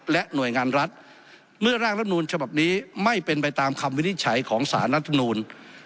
และหน่วยงานรัฐเมื่อร่างรัฐมนูลฉบับนี้ไม่เป็นไปตามคำวินิจฉัยของสารรัฐมนูล